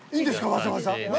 わざわざ。